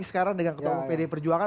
sekarang dengan ketua bpd perjuangan